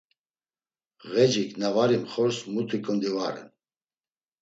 Ğecik na var imxors muti ǩundi va ren.